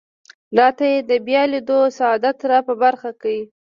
راته دې د بیا لیدو سعادت را په برخه کړي.